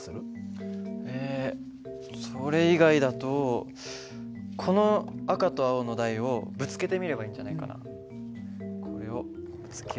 えそれ以外だとこの赤と青の台をぶつけてみればいいんじゃないかな。これをぶつけると。